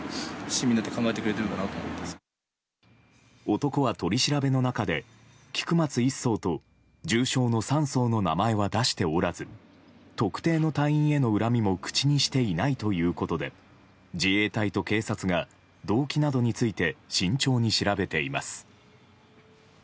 男は取り調べの中で菊松１曹と重傷の３曹の名前は出しておらず特定の隊員への恨みも口にしていたないということで自衛隊と警察が動機などについて慎重に調べています。